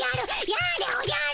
やでおじゃる。